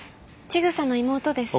ちぐさの妹です。